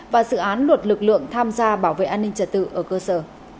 và dự án luật lực lượng tham gia bảo vệ an ninh trật tự ở cơ sở